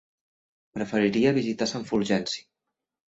Preferiria visitar Sant Fulgenci.